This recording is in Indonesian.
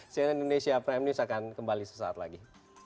cnn indonesia prime news akan kembali sesaat lagi